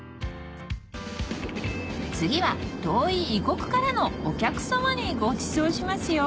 次は遠い異国からのお客さまにごちそうします